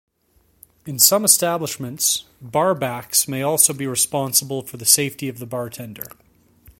In some establishments, bar-backs may also be responsible for the safety of the bartender.